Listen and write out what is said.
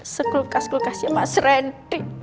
sekulkas kulkasnya mas randy